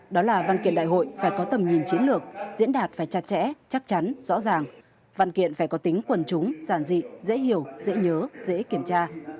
đó là văn kiện đại hội phải có tầm nhìn chiến lược diễn đạt phải chặt chẽ chắc chắn rõ ràng văn kiện phải có tính quần chúng giản dị dễ hiểu dễ nhớ dễ kiểm tra